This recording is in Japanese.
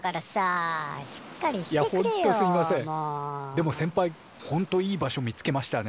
でも先ぱいほんといい場所見つけましたね。